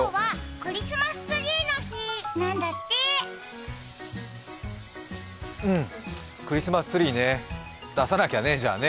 クリスマスツリーね出さなきゃね。